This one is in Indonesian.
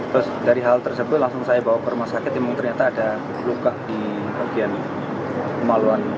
terus dari hal tersebut langsung saya bawa ke rumah sakit memang ternyata ada luka di bagian pemaluan